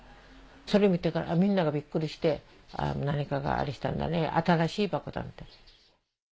それ見てからみんながビックリしてあぁ何かがあれしたんだね新しい爆弾って。